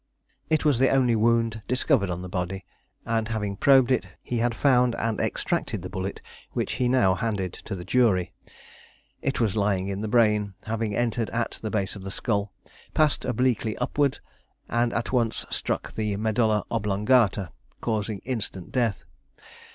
It was the only wound discovered on the body, and having probed it, he had found and extracted the bullet which he now handed to the jury. It was lying in the brain, having entered at the base of the skull, passed obliquely upward, and at once struck the medulla oblongata, causing instant death.